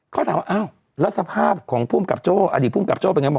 เขาถามว่าอ้าวแล้วสภาพของอดีตผู้กำกับโจ๊กเป็นอย่างไร